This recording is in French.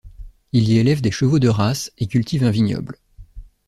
Il y élève des chevaux de race et cultive un vignoble.